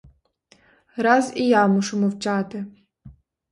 Раз і я мушу мовчати.